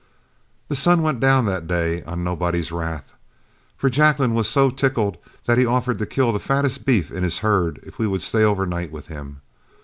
The sun went down that day on nobody's wrath, for Jacklin was so tickled that he offered to kill the fattest beef in his herd if we would stay overnight with him.